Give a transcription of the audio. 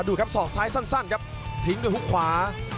ดูครับศอกซ้ายสั้นครับทิ้งด้วยฮุกขวา